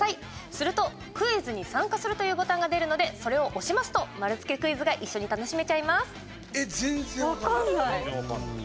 すると、クイズに参加するというボタンが出るのでそれを押しますと丸つけクイズが一緒に楽しめちゃいます。